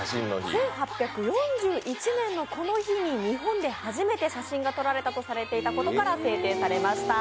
８４１年のこの日に日本で初めて写真が撮られたとされていたことから制定されました。